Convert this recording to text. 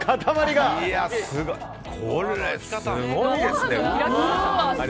これ、すごいですね。